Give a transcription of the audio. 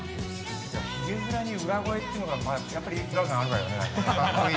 ひげ面に裏声っていうのがやっぱり何か合うわよね。